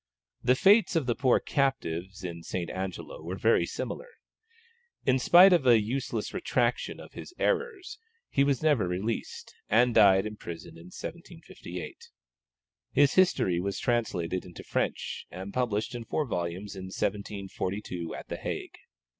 The fates of the poor captives in St. Angelo were very similar. In spite of a useless retractation of his "errors," he was never released, and died in prison in 1758. His history was translated into French, and published in four volumes in 1742 at the Hague.